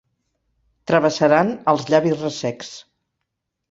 Travessaran els llavis ressecs.